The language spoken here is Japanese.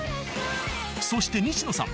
そして西野さん